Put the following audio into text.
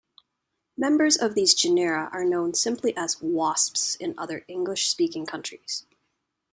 Members of these genera are known simply as "wasps" in other English-speaking countries.